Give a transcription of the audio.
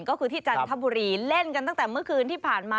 ก็คือที่จันทบุรีเล่นกันตั้งแต่เมื่อคืนที่ผ่านมา